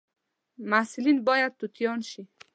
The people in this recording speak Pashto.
محصلین باید توتیان شي